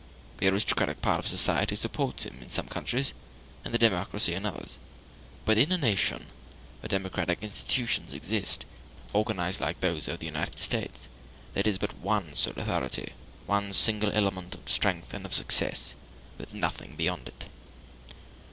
The aristocratic part of society supports him in some countries, and the democracy in others. But in a nation where democratic institutions exist, organized like those of the United States, there is but one sole authority, one single element of strength and of success, with nothing beyond it.